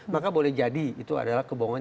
maka boleh jadi itu adalah kebohongan